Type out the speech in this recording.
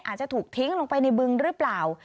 อาจจะถูกทิ้งลงไปในบึงหรือเปล่า